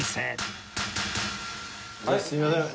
すいません。